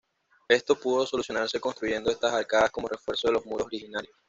Esto pudo solucionarse construyendo estas arcadas como refuerzo de los muros originarios.